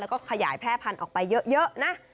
แล้วก็ขยายแพร่พันธุ์ออกไปเยอะนะ